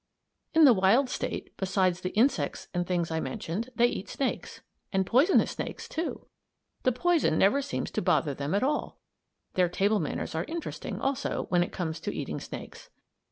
In the wild state, besides the insects and things I mentioned, they eat snakes; and poison snakes, too! The poison never seems to bother them at all. Their table manners are interesting, also, when it comes to eating snakes.